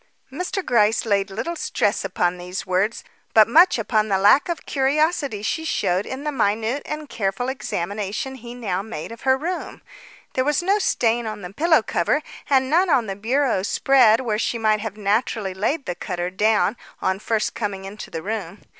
Mr. Gryce laid little stress upon these words, but much upon the lack of curiosity she showed in the minute and careful examination he now made of her room. There was no stain on the pillow cover and none on the bureau spread where she might very naturally have laid the cutter down on first coming into her room.